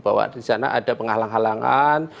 bahwa disana ada penghalang halangan